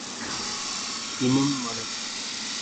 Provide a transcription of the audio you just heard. இன்னும் மனம் மாறாமலும், போக்கை மாற்றிக் கொள்ளாமலும் உள்ளார்கள்.